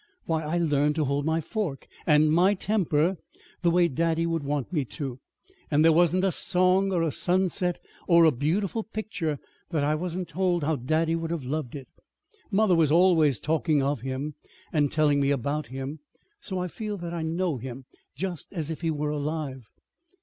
Why, I learned to hold my fork and my temper! the way daddy would want me to. And there wasn't a song or a sunset or a beautiful picture that I wasn't told how daddy would have loved it. Mother was always talking of him, and telling me about him; so I feel that I know him, just as if he were alive."